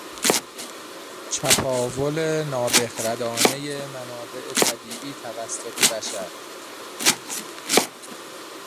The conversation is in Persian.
چپاول نابخردانهی منابع طبیعی توسط بشر